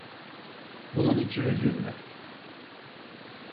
Bunun için üzülme.